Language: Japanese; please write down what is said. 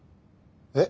えっ？